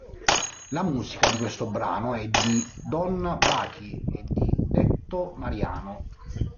La musica di questo brano è di Don Backy e di Detto Mariano.